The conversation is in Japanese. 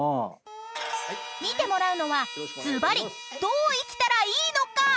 ［見てもらうのはずばりどう生きたらいいのか？］